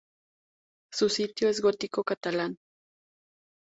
Su estilo es gótico catalán.